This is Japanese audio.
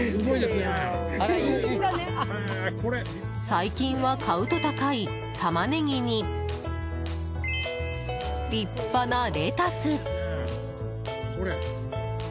最近は買うと高いタマネギに立派なレタス！